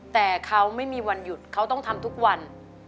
แต่เขาไม่มีวันหยุดเขาต้องทำทุกวัน